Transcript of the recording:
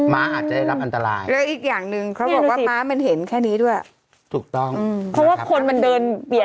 ม้าอาจจะได้รับอันตราย